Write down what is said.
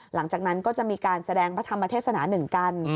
หลังจากนั้นก็จะมีการแสดงพระธรรมเทศนาหนึ่งกัน